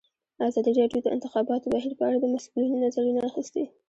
ازادي راډیو د د انتخاباتو بهیر په اړه د مسؤلینو نظرونه اخیستي.